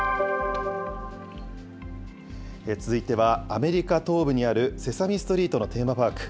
続いては、アメリカ東部にあるセサミストリートのテーマパーク。